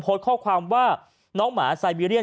โพสต์ข้อความว่าน้องหมาไซบีเรียน